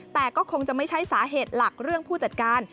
แต่ก็คงจะไม่ใช่สาเหตุหลักเรื่องผู้จัดการ